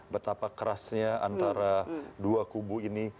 betapa kerasnya antara dua kubu ini